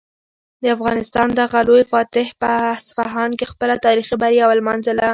د افغانستان دغه لوی فاتح په اصفهان کې خپله تاریخي بریا ولمانځله.